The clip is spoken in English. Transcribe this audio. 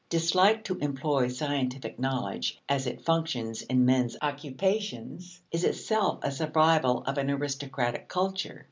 Dislike to employ scientific knowledge as it functions in men's occupations is itself a survival of an aristocratic culture.